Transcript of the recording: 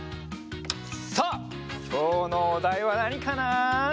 さあきょうのおだいはなにかな？